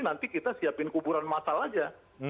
nanti kita siapin kuburan masal aja